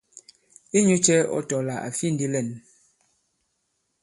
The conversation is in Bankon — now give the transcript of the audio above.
Inyūcɛ̄ ɔ tɔ̄ là à fi ndī lɛ᷇n?